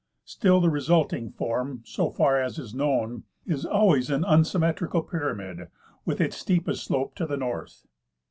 Still the resulting form, so far as is known, is always an unsymmetrical pyramid, with its steepest slope to the north.